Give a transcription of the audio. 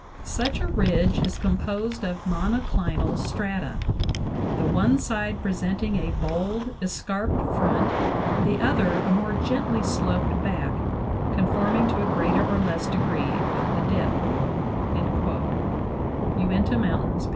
Such a ridge is composed of monoclinal strata, the one side presenting a bold escarped front, the other a more gently sloped back conforming to a greater or less degree with the dip" (Uinta Mountains, 16).